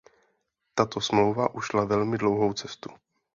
Tato smlouva ušla velmi dlouhou cestu.